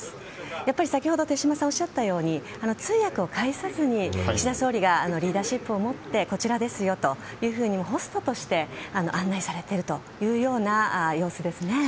やっぱり先ほど手嶋さんおっしゃったように通訳を介さずに岸田総理がリーダーシップをもってこちらですよというふうにホストとして案内されているというような様子ですね。